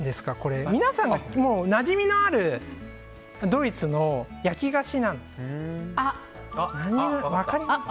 皆さんがなじみのあるドイツの焼き菓子なんです。